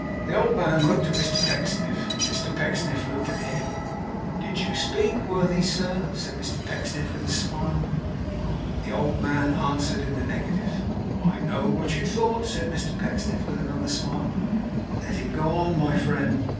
The old man looked at Mr Pecksniff. Mr Pecksniff looked at him. 'Did you speak, my worthy sir?' said Mr Pecksniff, with a smile. The old man answered in the negative. 'I know what you thought,' said Mr Pecksniff, with another smile. 'Let him go on my friend.